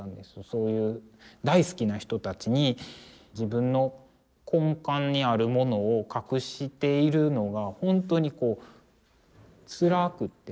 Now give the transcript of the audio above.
そういう大好きな人たちに自分の根幹にあるものを隠しているのが本当にこうつらくって。